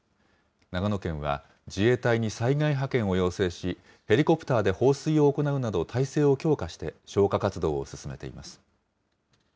長野県は自衛隊に災害派遣を要請し、ヘリコプターで放水を行うなど、態勢を強化して消火活動を進めています。